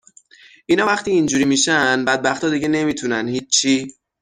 اینا وقتی اینجوری می شن، بدبختا دیگه نمی تونن هیچی